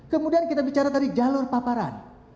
kemudian kita bicara tadi jalur paparan